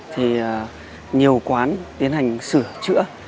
thì nhiều quán tiến hành sửa chữa